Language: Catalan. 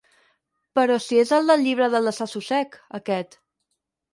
Però si és el del Llibre del Desassossec, aquest!